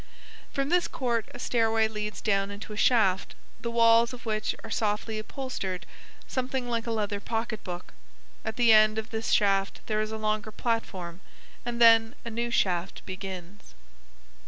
From this court a stairway leads down into a shaft, the walls of which are softly upholstered something like a leather pocketbook. At the end of this shaft there is a longer platform, and then a new shaft begins...."